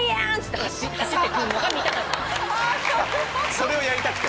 それをやりたくて。